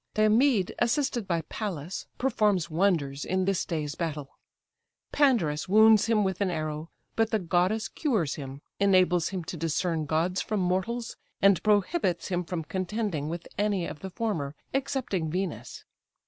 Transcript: Diomed, assisted by Pallas, performs wonders in this day's battle. Pandarus wounds him with an arrow, but the goddess cures him, enables him to discern gods from mortals, and prohibits him from contending with any of the former, excepting Venus.